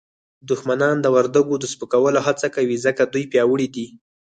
دښمنان د وردګو د سپکولو هڅه کوي ځکه دوی پیاوړي دي